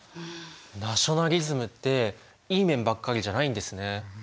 ナショナリズムっていい面ばっかりじゃないんですね。